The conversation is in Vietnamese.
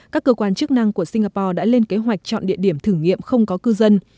các cơ quan chức năng của singapore đã lên kế hoạch chọn địa điểm thử nghiệm không có cư dân